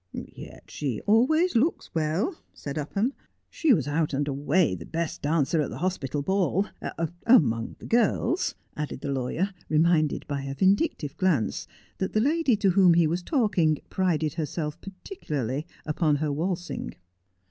' Yet she always looks well,' said Upham ;' she was out and Come to Grief. 105 away the best dancer at the hospital ball— among the girls,' added the lawyer, reminded by a vindictive glance that the lady to whom he was talking prided herself particularly upon her waltzing.